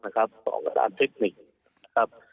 ก็ทำได้ดีนะครับ